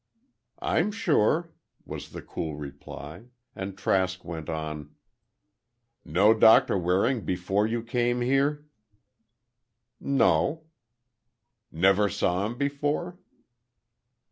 "I'm sure," was the cool reply, and Trask went on. "Know Doctor Waring before you came here?" "No." "Never saw him before?"